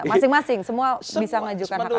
masing masing semua bisa menunjukkan hak angket